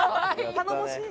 頼もしい。